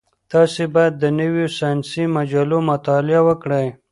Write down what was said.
تاسي باید د نویو ساینسي مجلو مطالعه وکړئ.